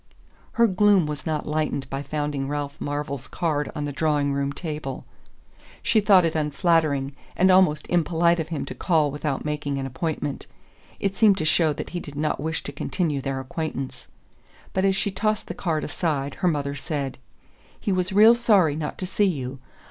Her gloom was not lightened by finding Ralph Marvell's card on the drawing room table. She thought it unflattering and almost impolite of him to call without making an appointment: it seemed to show that he did not wish to continue their acquaintance. But as she tossed the card aside her mother said: "He was real sorry not to see you.